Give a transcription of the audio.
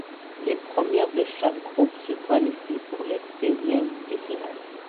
Les premiers de chaque groupe se qualifient pour les seizièmes de finale.